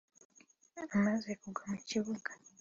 Amaze kugwa mu kibuga